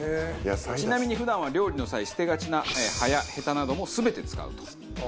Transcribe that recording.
ちなみに普段は料理の際捨てがちな葉やヘタなども全て使うと。